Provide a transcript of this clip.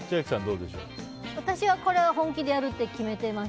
私は本気でやるって決めてます。